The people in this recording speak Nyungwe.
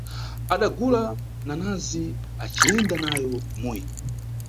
Adagula nanazi aciyenda nayo kumuyi.